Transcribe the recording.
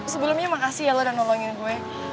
sebelumnya makasih ya lo udah nolongin gue